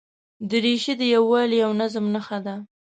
دریشي د یووالي او نظم نښه ده.